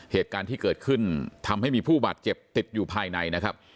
เหตุการณ์ที่เกิดขึ้นทำให้มีผู้บาดเจ็บติดอยู่ภายในนะครับ